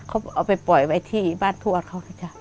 เขาเอาไปปล่อยไว้ที่บ้านทวดเขานะจ๊ะ